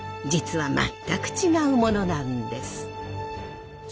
実は全く違うものなんです。